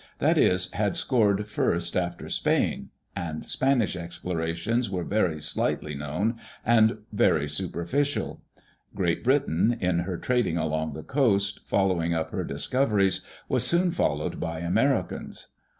That is, had scored first after Spain — and Spanish explorations were very slightly known, and were very superficial. Great Britain, in her trading along the coast, following up her discoveries, was soon followed by Americans.